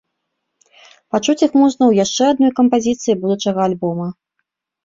Пачуць іх можна ў яшчэ адной кампазіцыі будучага альбома.